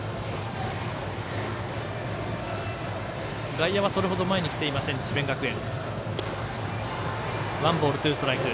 外野はそれほど前に来ていません智弁学園。